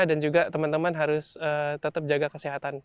dan juga teman teman harus tetap jaga kesehatan